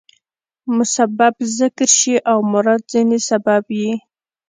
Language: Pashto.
مسبب ذکر شي او مراد ځني سبب يي.